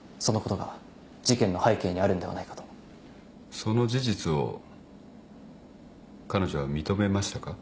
その事実を彼女は認めましたか。